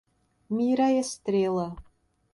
Mira Estrela